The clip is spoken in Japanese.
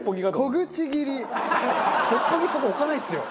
トッポギそこ置かないですよ。